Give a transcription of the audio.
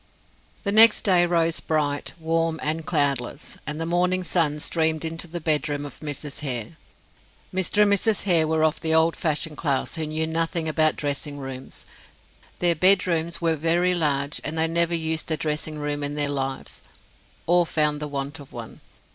The next day rose bright, warm, and cloudless, and the morning sun streamed into the bedroom of Mrs. Hare. Mr. and Mrs. Hare were of the old fashioned class who knew nothing about dressing rooms, their bedrooms were very large, and they never used a dressing room in their lives, or found the want of one.